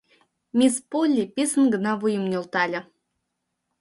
Мисс Полли писын гына вуйым нӧлтале.